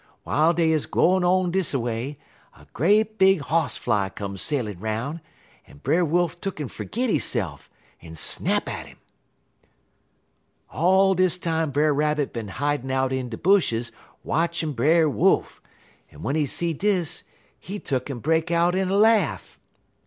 W'iles dey 'uz gwine on dis a way, a great big hoss fly come sailin' 'roun', en Brer Wolf tuck'n fergit hisse'f, en snap at 'im. "All dis time Brer Rabbit bin hidin' out in de bushes watchin' Brer Wolf, en w'en he see dis he tuck'n break out in a laugh.